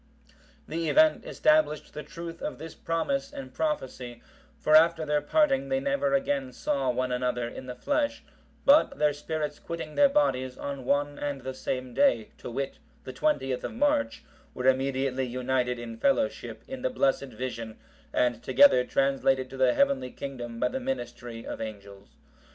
The event established the truth of this promise and prophecy, for after their parting, they never again saw one another in the flesh; but their spirits quitting their bodies on one and the same day, to wit, the 20th of March,(759) were immediately united in fellowship in the blessed vision, and together translated to the heavenly kingdom by the ministry of angels.